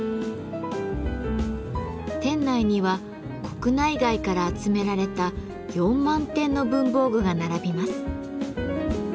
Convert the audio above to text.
店内には国内外から集められた４万点の文房具が並びます。